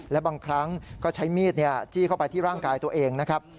และบางครั้งก็ใช้มีดจี้เข้าไปที่ร่างกายตัวเองนะครับ